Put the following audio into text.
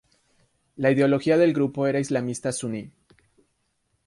La ideología del grupo era islamista suní.